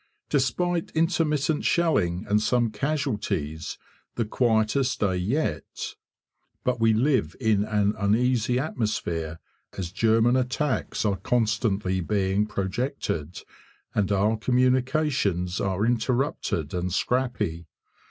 Despite intermittent shelling and some casualties the quietest day yet; but we live in an uneasy atmosphere as German attacks are constantly being projected, and our communications are interrupted and scrappy.